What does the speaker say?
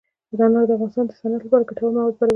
انار د افغانستان د صنعت لپاره ګټور مواد برابروي.